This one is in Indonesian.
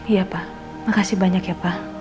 iya pa makasih banyak ya pa